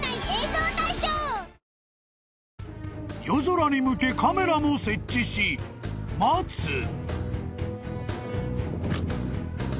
［夜空に向けカメラも設置し待つ］